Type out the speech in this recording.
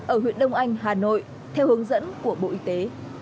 ở huyện đông anh hà nội theo hướng dẫn của bộ y tế